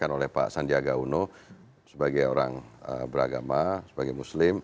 yang disampaikan oleh pak sandiaga uno sebagai orang beragama sebagai muslim